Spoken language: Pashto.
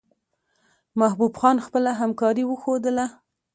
محبوب خان خپله همکاري وښودله.